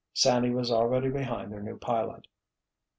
Sandy was already behind their new pilot.